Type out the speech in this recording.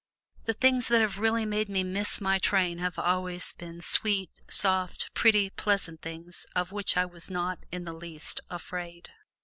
The things that have really made me miss my train have always been sweet, soft, pretty, pleasant things of which I was not in the, least afraid.